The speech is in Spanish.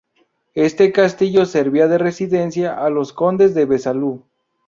Este castillo servía de residencia a los condes de Besalú.